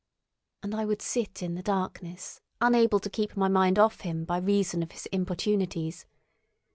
And I would sit in the darkness unable to keep my mind off him by reason of his importunities.